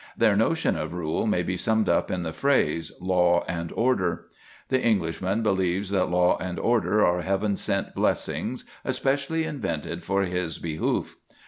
Their notion of rule may be summed up in the phrase, "Law and order." The Englishman believes that law and order are heaven sent blessings especially invented for his behoof.